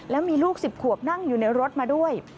แล้วมีลูก๑๐ขวบนั่งอยู่ในรถมาด้วย